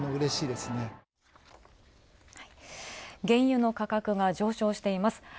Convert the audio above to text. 原油の価格が上昇しています。